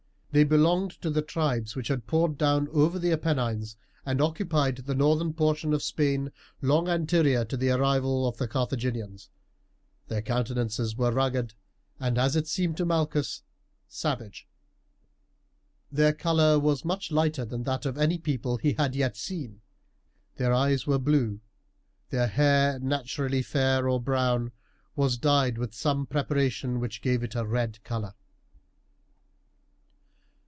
They belonged to the tribes which had poured down over the Apennines, and occupied the northern portion of Spain long anterior to the arrival of the Carthaginians. Their countenances were rugged, and as it seemed to Malchus, savage. Their colour was much lighter than that of any people he had yet seen. Their eyes were blue, their hair, naturally fair or brown, was dyed with some preparation which gave it a red colour.